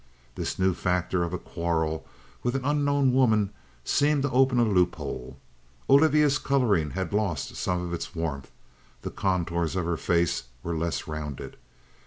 This new factor of a quarrel with an unknown woman seemed to open a loophole. Olivia's colouring had lost some of its warmth; the contours of her face were less rounded.